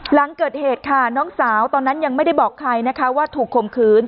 หลังเกิดเหตุค่ะน้องสาวตอนนั้นยังไม่ได้บอกใครนะคะว่าถูกคมคืน